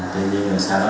tuy nhiên sau đó